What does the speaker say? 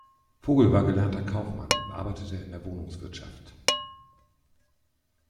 Vogel war gelernter Kaufmann und arbeitete in der Wohnungswirtschaft.